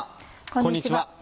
こんにちは。